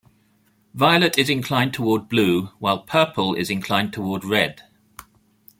Violet is inclined toward blue, while purple is inclined toward red.